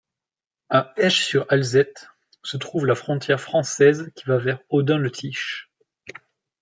À Esch-sur-Alzette se trouve la frontière française qui va vers Audun-le-Tiche.